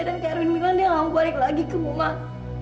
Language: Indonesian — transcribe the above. dan kak erwin bilang dia tidak mau balik lagi ke rumah